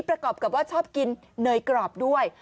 ประกอบกับว่าชอบกินเนยกรอบด้วย